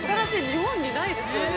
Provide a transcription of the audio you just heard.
日本にないですよね